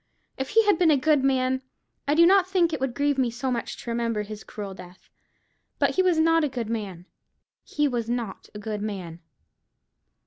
If he had been a good man, I do not think it would grieve me so much to remember his cruel death: but he was not a good man—he was not a good man."